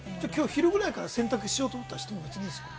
昼ぐらいから洗濯しようと思ったらしていいですか？